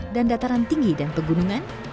dan dataran tinggi dan pegunungan